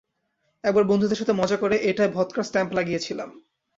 একবার বন্ধুদের সাথে মজা করে, এটায় ভদকার স্ট্যাম্প লাগিয়েছিলাম।